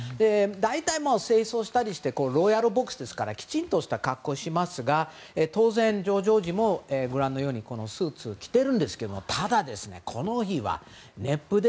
大体、正装したりしてロイヤルボックスですからきちんとした格好をしますが当然、ジョージ王子もスーツを着ているんですけどただ、この日は３０度。